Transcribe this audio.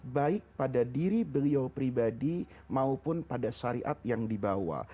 baik pada diri beliau pribadi maupun pada syariat yang dibawa